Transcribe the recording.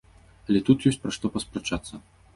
Але тут ёсць пра што паспрачацца.